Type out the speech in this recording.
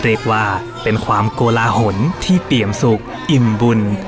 เรียกว่าเป็นความโกลาหลที่เปี่ยมสุขอิ่มบุญ